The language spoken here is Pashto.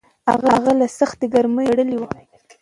هغه له سختې ګرمۍ ژغورلی و.